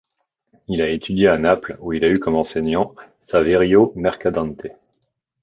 Il a étudié à Naples, où il a eu comme enseignant Saverio Mercadante.